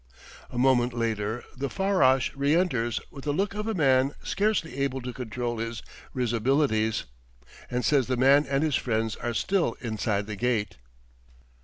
A moment later the farrash re enters with the look of a man scarcely able to control his risibilities, and says the man and his friends are still inside the gate.